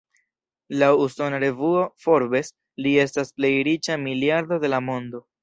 Laŭ usona revuo "Forbes", li estas plej riĉa miliardo de la mondo.